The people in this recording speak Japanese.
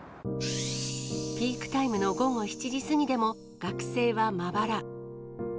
ピークタイムの午後７時過ぎでも、学生はまばら。